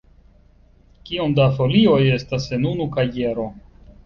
Kiom da folioj estas en unu kajero?